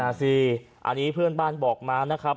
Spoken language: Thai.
สิอันนี้เพื่อนบ้านบอกมานะครับ